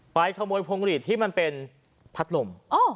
ขโมยพวงหลีดที่มันเป็นพัดลม